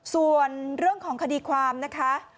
ส่วนเรื่องของคดีความนะคะ